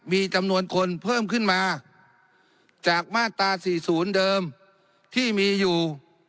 มีจำนวนคนเพิ่มขึ้นมาจากมาตรา๔๐เดิมที่มีอยู่